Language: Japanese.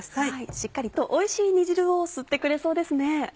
しっかりとおいしい煮汁を吸ってくれそうですね。